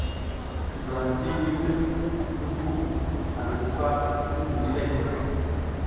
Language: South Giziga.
Ndram ti wirwir ngi vu angi sipa sin mi jileŋ.